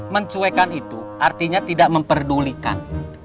mencuekan itu artinya tidak memperdulikan